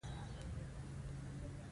زه د پخوانیو تمدنونو هنرونه مطالعه کوم.